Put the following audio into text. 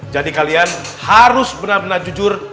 jadi kalian harus benar benar jujur